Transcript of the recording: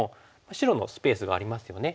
白のスペースがありますよね。